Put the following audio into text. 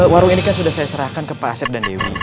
warung ini kan sudah saya serahkan ke pak asep dan dewi